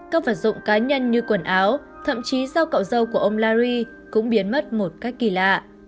các vật dụng cá nhân như quần áo thậm chí dao cậu dâu của ông larry cũng biến mất một cách kỳ lạ